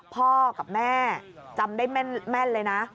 พ่อกับแม่จำได้แม่นเลยนะ